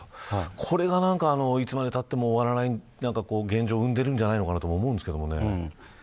これが、いつまでたっても終わらない現状を生んでいるんじゃないかとそうですね。